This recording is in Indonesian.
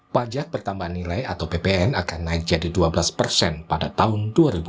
pajak pertambahan nilai atau ppn akan naik jadi dua belas persen pada tahun dua ribu dua puluh